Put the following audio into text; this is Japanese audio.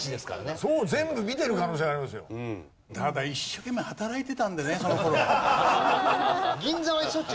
ただ一生懸命働いてたんでねその頃。